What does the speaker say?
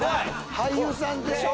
俳優さんでしょ？